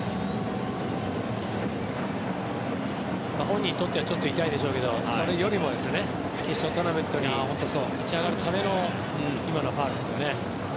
本人にとってはちょっと痛いでしょうけどそれよりも、決勝トーナメントに勝ち上がるための今のファウルですよね。